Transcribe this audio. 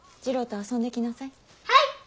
次郎と遊んできなさい。